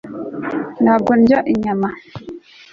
ntabwo ndya inyama